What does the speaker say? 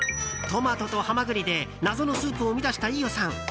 トマトとハマグリで謎のスープを生み出した飯尾さん。